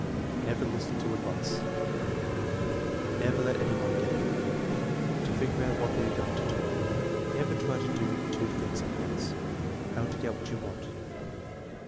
"Never listen to advice." "Never let any one get ahead of you." "To figure out what they are going 296 THE MEASUREMENT OF INTELLIGENCE to do." "Never try to do two things at once." "How to get what you want."